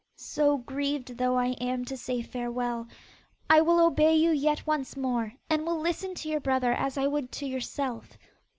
So grieved though I am to say farewell, I will obey you yet once more, and will listen to your brother as I would to yourself.